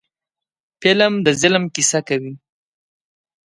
فلم د ظلم کیسه کوي